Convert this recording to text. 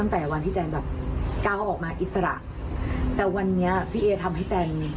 แต่วันนี้พี่เอทำให้แทน